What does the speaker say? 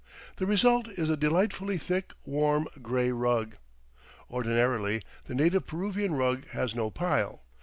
The result is a delightfully thick, warm, gray rug. Ordinarily the native Peruvian rug has no pile.